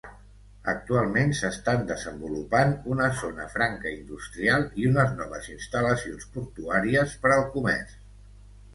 Actualment s'estan desenvolupant una zona franca industrial i unes noves instal·lacions portuàries per al comerç.